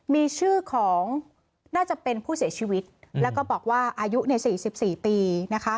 มีชื่อของน่าจะเป็นผู้เสียชีวิตแล้วก็บอกว่าอายุใน๔๔ปีนะคะ